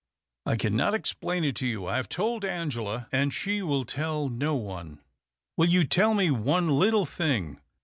" I cannot explain it to you. I have told Angela, and she will tell no one." " Will you tell me one little thing?